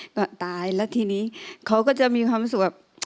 ก็ตายแล้วทีนี้เขาก็จะมีความสุขแบบ